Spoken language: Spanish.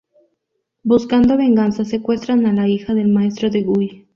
Buscando venganza secuestran a la hija del maestro de Guy.